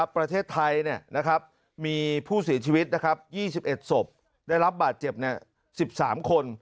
ประเทศไทยมีผู้เสียชีวิต๒๑ศพได้รับบาดเจ็บ๑๓คน